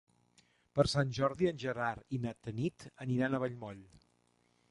Per Sant Jordi en Gerard i na Tanit aniran a Vallmoll.